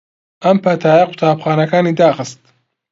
ئەم پەتایە قوتابخانەکانی داخست